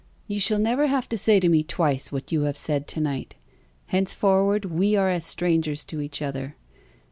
"You shall never have to say to me twice what you have said to night. Henceforward we are as strangers to each other.